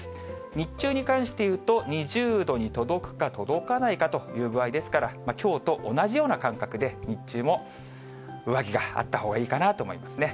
日中に関していうと、２０度に届くか届かないかという具合ですから、きょうと同じような感覚で、日中も上着があったほうがいいかなと思いますね。